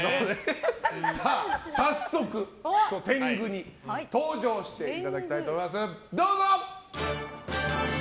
早速、天狗に登場していただきたいと思います。